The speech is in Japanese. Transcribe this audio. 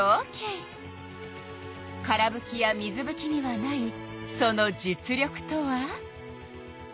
からぶきや水ぶきにはないその実力とは！？